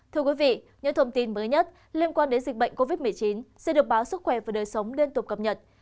thưa quý vị những thông tin mới nhất liên quan đến dịch bệnh covid một mươi chín sẽ được báo sức khỏe và đời sống liên tục cập nhật